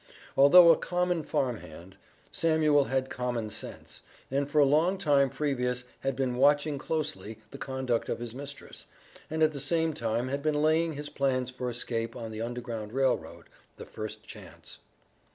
Although a common farm hand, Samuel had common sense, and for a long time previous had been watching closely the conduct of his mistress, and at the same time had been laying his plans for escaping on the Underground Rail Road the first chance.